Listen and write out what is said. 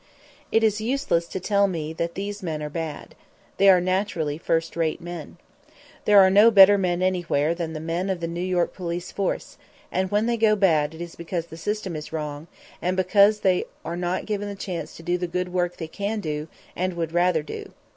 It is useless to tell me that these men are bad. They are naturally first rate men. There are no better men anywhere than the men of the New York police force; and when they go bad it is because the system is wrong, and because they are not given the chance to do the good work they can do and would rather do.